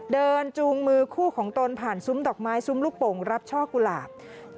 จูงมือคู่ของตนผ่านซุ้มดอกไม้ซุ้มลูกโป่งรับช่อกุหลาบ